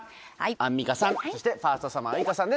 アンミカさんそしてファーストサマーウイカさんです。